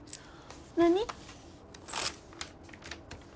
何？